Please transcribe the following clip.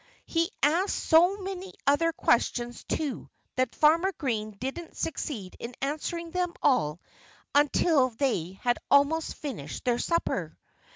He asked so many other questions, too, that Farmer Green didn't succeed in answering them all until they had almost finished their supper.